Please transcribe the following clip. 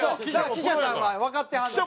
記者さんはわかってはんねん。